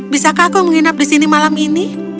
bisakah aku menginap di sini malam ini